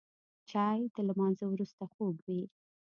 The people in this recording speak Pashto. چای د لمانځه وروسته خوږ وي